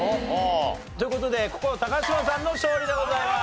という事でここは嶋さんの勝利でございます。